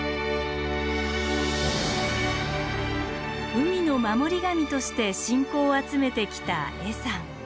海の守り神として信仰を集めてきた恵山。